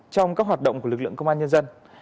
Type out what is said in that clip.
trong các hoạt động của lực lượng công an nhân dân